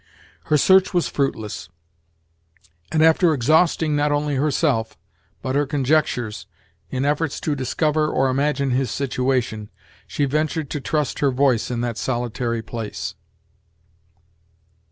Her search was fruitless; and, after exhausting not only herself, but her conjectures, in efforts to discover or imagine his situation, she ventured to trust her voice in that solitary place.